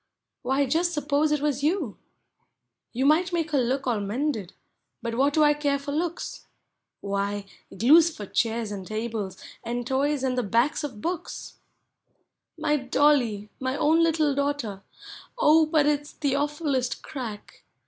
Why, just suppose it was you? You might make her look all mended— but what do I care for looks? Why, glue's for chairs and tables, and toys and the backs of books! Digitized by Google FOR VIULDRES. 120 My dolly! my own little daughter! Oh, but it 's the awful lest crack!